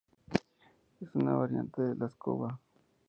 Es una variante de la escoba.